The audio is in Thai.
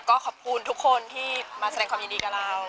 ก็ขอบคุณทุกคนที่มาแสดงความยินดีกับเรา